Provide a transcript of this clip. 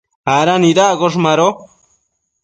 ¿ada nidaccosh? Mado